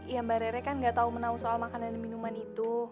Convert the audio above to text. ya mbak rere kan gak tau menau soal makanan dan minuman itu